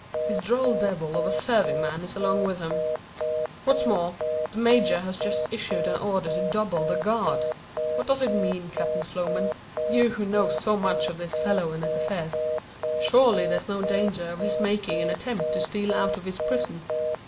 "His droll devil of a serving man is along with him. What's more; the major has just issued an order to double the guard! What does it mean, Captain Sloman you who know so much of this fellow and his affairs? Surely there's no danger of his making an attempt to steal out of his prison?"